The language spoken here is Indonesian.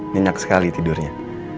nyenyak sekali tidurnya